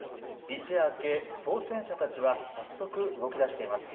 一夜明け当選者たちは早速、動きだしています。